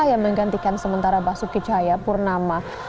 yang menggantikan sementara basuki cahaya purnama